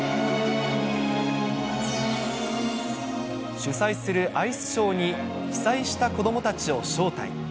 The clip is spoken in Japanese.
主催するアイスショーに、被災した子どもたちを招待。